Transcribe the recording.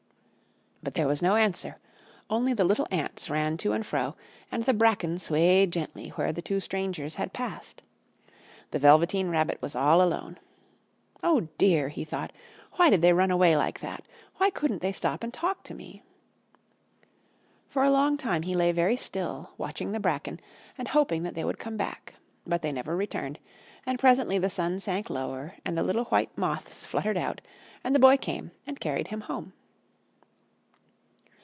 But there was no answer, only the little ants ran to and fro, and the bracken swayed gently where the two strangers had passed. The Velveteen Rabbit was all alone. "Oh, dear!" he thought. "Why did they run away like that? Why couldn't they stop and talk to me?" For a long time he lay very still, watching the bracken, and hoping that they would come back. But they never returned, and presently the sun sank lower and the little white moths fluttered out, and the Boy came and carried him home.